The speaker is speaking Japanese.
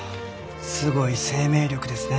すごい生命力ですね。